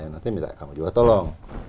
nanti minta kamu juga tolong